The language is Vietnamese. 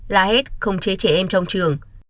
đã hết khống chế trẻ em trong trường